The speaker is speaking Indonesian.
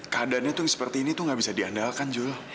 keadaannya tuh seperti ini tuh gak bisa diandalkan jul